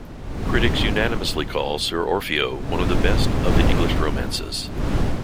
Critics unanimously call "Sir Orfeo" one of the best of the English romances.